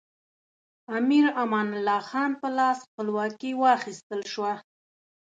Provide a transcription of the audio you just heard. امیر امان الله خان په لاس خپلواکي واخیستل شوه.